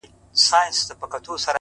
ستا شاعرۍ ته سلامي كومه’